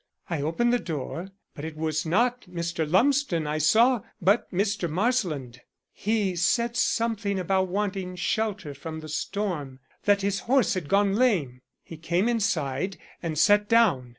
I opened the door, but it was not Mr. Lumsden I saw, but Mr. Marsland. He said something about wanting shelter from the storm that his horse had gone lame. He came inside and sat down.